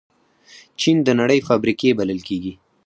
چین د نړۍ فابریکې بلل کېږي.